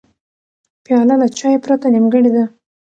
پیاله له چای پرته نیمګړې ده.